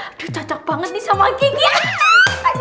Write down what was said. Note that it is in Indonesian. aduh cocok banget nih sama gigi